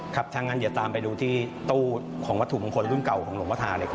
ครับถ้างั้นเดี๋ยวตามไปดูที่ตู้ของวัตถุมงคลรุ่นเก่าของหลวงพ่อธาดีกว่า